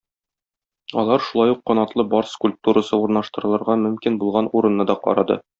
Алар шулай ук канатлы барс скульптурасы урнаштырылырга мөмкин булган урынны да карады.